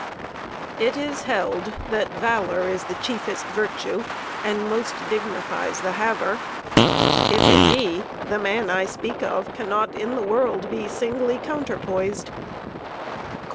It is held That valor is the chiefest virtue and Most dignifies the haver. If it be, The man I speak of cannot in the world Be singly counterpoised.